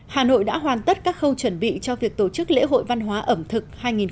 hà nội đã hoàn tất các khâu chuẩn bị cho việc tổ chức lễ hội văn hóa ẩm thực hai nghìn một mươi chín